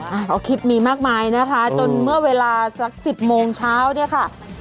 เพราะคลิปมีมากมายนะคะจนเมื่อเวลาสักสิบโมงเช้าเนี่ยค่ะ